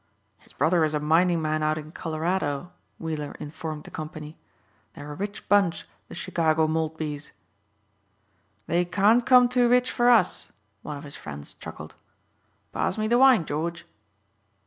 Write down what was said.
"His brother is a mining man out in Colorado," Weiller informed the company. "They're a rich bunch, the Chicago Maltbys." "They can't come too rich for us," one of his friends chuckled. "Pass me the wine, George."